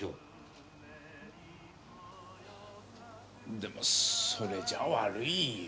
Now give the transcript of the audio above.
でもそれじゃ悪いよ。